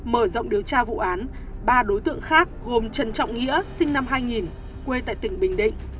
mở rộng điều tra vụ án ba đối tượng khác gồm trần trọng nghĩa sinh năm hai nghìn quê tại tỉnh bình định